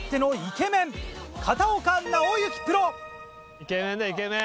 イケメンだイケメン。